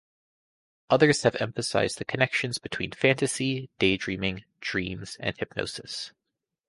Others have emphasized the connections between fantasy, daydreaming, dreams, and hypnosis.